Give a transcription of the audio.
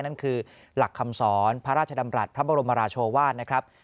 นั่นคือหลักคำสอนพระราชดำรัฐพระบรมราชวาสนะครับ